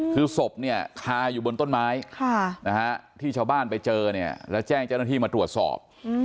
คือศพคาอยู่บนต้นไม้ที่ชาวบ้านไปเจอแล้วแจ้งจะแน่นที่มาตรวจสอบ